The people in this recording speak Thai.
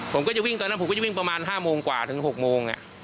ผมก็จะวิ่งตอนนั้นผมก็จะวิ่งประมาณ๕โมงกว่าถึง๖โมง